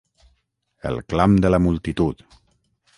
El clam de la multitud.